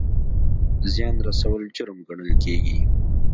زیان رسول جرم ګڼل کیږي